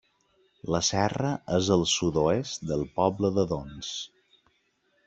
La serra és al sud-oest del poble d'Adons.